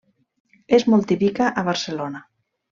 És molt típica a Barcelona.